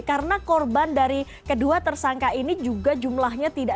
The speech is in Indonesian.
karena korban dari kedua tersangka ini juga juga